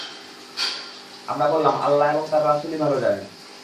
আমরা বললাম, আল্লাহ এবং তাঁর রাসূলই ভাল জানেন।